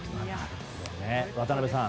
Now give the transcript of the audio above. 渡辺さん